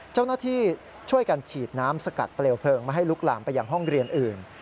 เจ้าหน้าที่ช่วยกันฉีดน้ำสกัดเปลวเพลิงไม่ให้ลุกลามไปยังห้องเรียนอื่น